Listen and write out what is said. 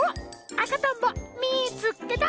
あかとんぼみいつけた！